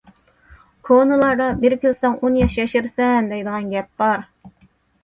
كونىلاردا« بىر كۈلسەڭ ئون ياش ياشىرىسەن» دەيدىغان گەپ بار.